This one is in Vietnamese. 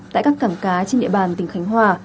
tại các cảng cá trên địa bàn tỉnh khánh hòa